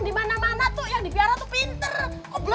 di mana mana tuh yang dipiara tuh pinter